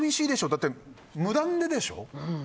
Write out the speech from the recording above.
だって無断ででしょ？